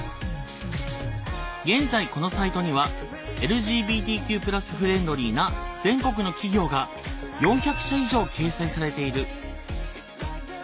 現在このサイトにはＬＧＢＴＱ＋フレンドリーな全国の企業が４００社以上掲載されている。